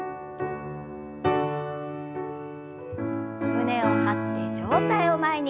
胸を張って上体を前に。